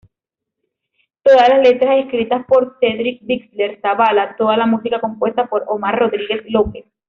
Todas las letras escritas por Cedric Bixler-Zavala, toda la música compuesta por Omar Rodríguez-López.